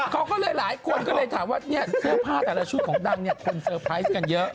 เขาก็เลยหลายคนก็เลยถามว่าเสื้อผ้าแต่ละชุดของดังเนี่ยคนเตอร์ไพรส์กันเยอะ